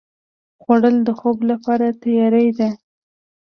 خوړل د خوب لپاره تیاري ده